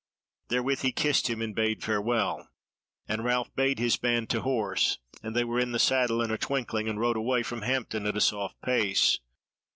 Therewith he kissed him, and bade farewell; and Ralph bade his band to horse, and they were in the saddle in a twinkling, and rode away from Hampton at a soft pace.